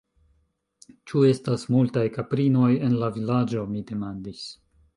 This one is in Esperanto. Ĉu estas multaj kaprinoj en la Vilaĝo? mi demandis.